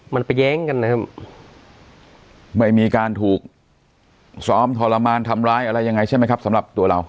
มันไปแย้งกันนะครับไม่มีการถูกซ้อมทรมานทำร้ายอะไรยังไงใช่ไหมครับสำหรับตัวเรา